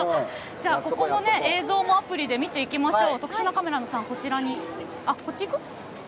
ここの映像もアプリで見ていきましょう。